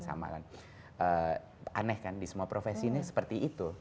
aneh kan di semua profesi ini seperti itu